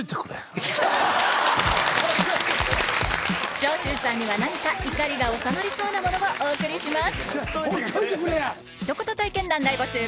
長州さんには何か怒りが収まりそうなものをお送りします